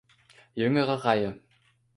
Jüngere Reihe.